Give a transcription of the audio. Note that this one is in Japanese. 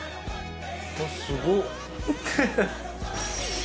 すごっ！